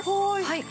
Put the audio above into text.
はい。